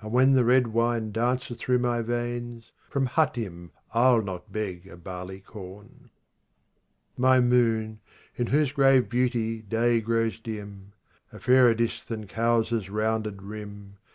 And when the red wine dances through my veins From Hatim ^ I'll not beg a barley corn. 10 My moon, in whose grave beauty day grows dim, A fairer disk than Kowsar's ^ rounded rim.